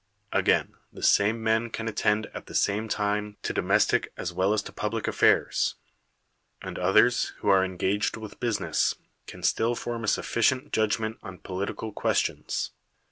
Again, the same men can attend at the same time to domes tic as well as to public affairs; and others, who are engaged with business, can still form a suffi cient judgment on political questions.